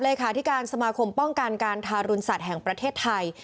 เลขาธิการสมาคมป้องกันการทารุณสัตว์แห่งประเทศไทย